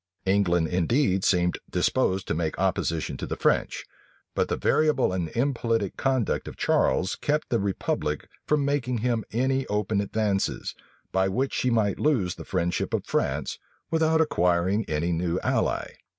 England indeed seemed disposed to make opposition to the French; but the variable and impolitic conduct of Charles kept that republic from making him any open advances, by which she might lose the friendship of France, without acquiring any new ally.